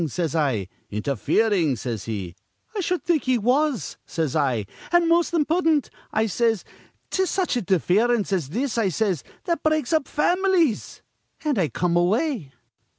says I. 'Interfering' says he. 'I shud think he was,' says I, 'an' most impudent,' I says. ''Tis such interference as this,' I says, 'that breaks up fam'lies'; an' I come away.